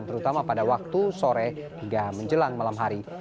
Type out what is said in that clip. terutama pada waktu sore hingga menjelang malam hari